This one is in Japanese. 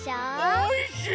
おいしい！